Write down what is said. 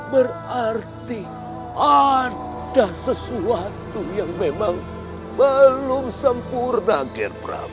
berarti ada sesuatu yang memang belum sempurna ger prabu